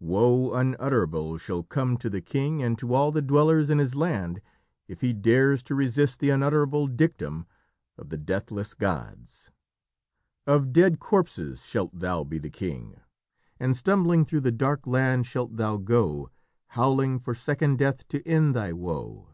Woe unutterable shall come to the king and to all the dwellers in his land if he dares to resist the unalterable dictum of the deathless gods!" "... Of dead corpses shalt thou be the king, And stumbling through the dark land shalt thou go, Howling for second death to end thy woe."